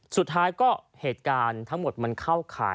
สุดท้ายก็เหตุการณ์ทั้งหมดมันเข้าข่าย